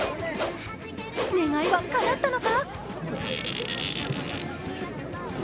願いはかなったのか？